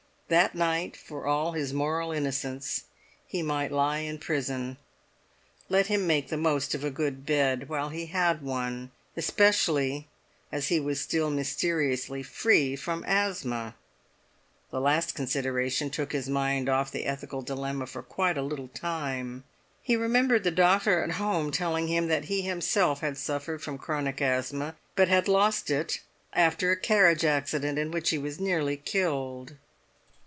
That night, for all his moral innocence, he might lie in prison; let him make the most of a good bed while he had one, especially as he was still mysteriously free from asthma. The last consideration took his mind off the ethical dilemma for quite a little time. He remembered the doctor at home telling him that he himself had suffered from chronic asthma, but had lost it after a carriage accident in which he was nearly killed.